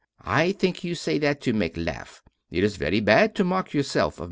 I think you say that to make laugh. It is very bad to mock yourself of M.